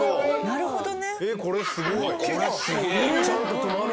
なるほどね。